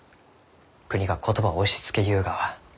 国が言葉を押しつけゆうがは。